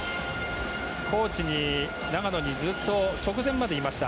高地に長野にずっと直前までいました